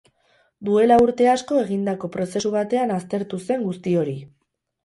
Duela urte asko egindako prozesu batean aztertu zen guzti hori.